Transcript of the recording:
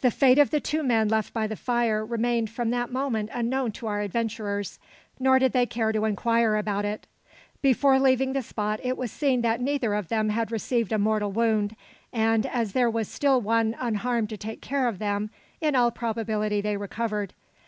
The fate of the two men left by the fire remained from that moment unknown to our adventurers. Nor did they care to inquire about it. Before leaving the spot, it was seen that neither of them had received a mortal wound; and, as there was still one unharmed to take care of them, in all probability they recovered.